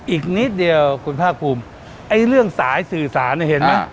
อีกนิดเดียวคุณภาคภูมิไอ้เรื่องสายสื่อสารเนี่ยเห็นไหม